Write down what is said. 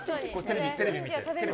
テレビ見て。